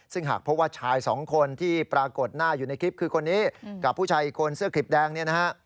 ซึ่งหากพบว่าชายสองคนที่ปรากฏหน้าอยู่ในคลิปคือคนนี้กับผู้ชายอีกคนเสื้อคลิปแดงเนี่ยนะฮะ